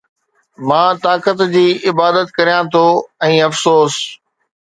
مان طاقت جي عبادت ڪريان ٿو ۽ افسوس